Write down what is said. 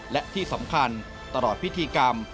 และที่สำคัญตลอดพิธีกรรม